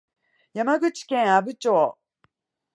山口県阿武町